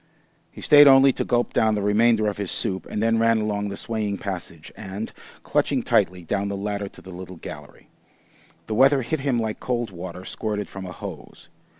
He stayed only to gulp down the remainder of his soup, and then ran along the swaying passage and, clutching tightly, down the ladder to the little gallery. The weather hit him like cold water squirted from a hose.